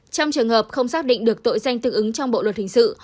trong trường hợp không xác định được tội danh tương ứng trong bộ luật hình sự